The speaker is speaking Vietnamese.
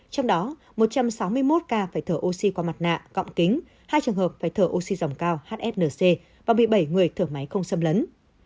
trong đó một trăm sáu mươi một ca phải thở oxy qua mặt nạ gọng kính hai trường hợp phải thở oxy dòng cao hsnc và một mươi bảy người thở máy không xâm lấn